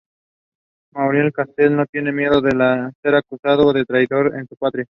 Maurice Castle no tiene miedo de ser acusado de traidor a su patria.